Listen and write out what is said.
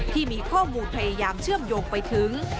ที่มีข้อมูลพยายามเชื่อมโยงไปถึง